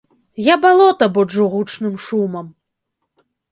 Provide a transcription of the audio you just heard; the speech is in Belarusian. Я балота буджу гучным шумам.